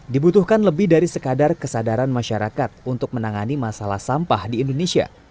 dibutuhkan lebih dari sekadar kesadaran masyarakat untuk menangani masalah sampah di indonesia